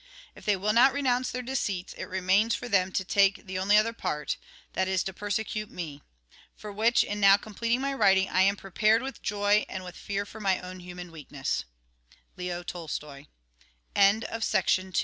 If they will not renounce their deceits, it remains 22 THE GOSPEL IN BRIEF for them to take the only other part, that is, to persecute me. For which, in now completing my writing, I am prepared, with joy, and with fear for my own human weakness.